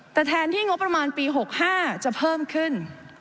แต่แทนที่งบประมาณปี๖๕จะเพิ่มขึ้น